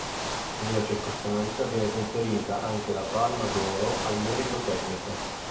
Nella circostanza viene conferita anche la Palma d'oro al Merito tecnico.